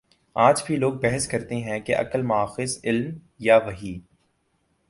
آج بھی لوگ بحث کرتے ہیں کہ عقل ماخذ علم یا وحی؟